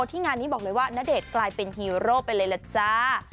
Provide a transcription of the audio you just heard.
ที่งานนี้บอกเลยว่าณเดชน์กลายเป็นฮีโร่ไปเลยล่ะจ้า